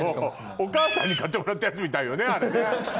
お母さんに買ってもらったやつみたいよねあれね。